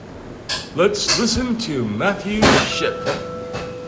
Let's listen to Matthew Shipp.